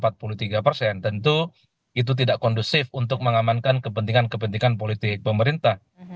tentu itu tidak kondusif untuk mengamankan kepentingan kepentingan politik pemerintah